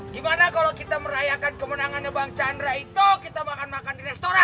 gimana kalau kita merayakan kemenangannya bang chandra itu kita makan makan di restoran